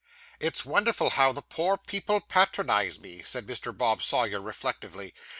'It's wonderful how the poor people patronise me,' said Mr. Bob Sawyer reflectively.